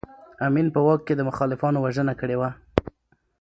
امین په واک کې د مخالفانو وژنه کړې وه.